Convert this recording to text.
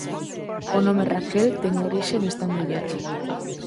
O nome Raquel ten orixe nesta muller.